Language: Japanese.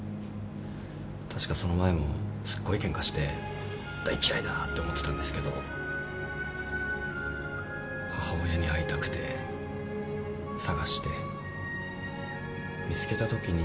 確かその前もすっごいケンカして大嫌いだって思ってたんですけど母親に会いたくて捜して見つけたときに。